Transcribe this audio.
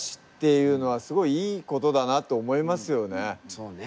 そうね。